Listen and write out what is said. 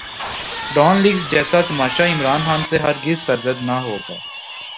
Dawn leaks جیسا تماشا عمران خان سے ہر گز سرزد نہ ہوگا۔